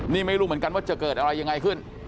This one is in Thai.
นี่ไม่รู้เหมือนกันว่าจะเกิดอะไรยังไงขึ้น